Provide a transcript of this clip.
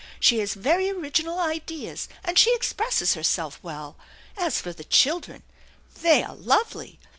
She has very original ideas, and she expresses herself well. As for the children, they are lovely.